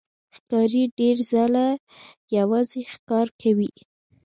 ښکاري ډېر ځله یوازې ښکار کوي.